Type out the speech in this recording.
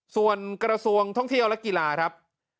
ส่วนกระทรวงท่องเที่ยวและกีฬาครับ